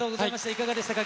いかがでしたか？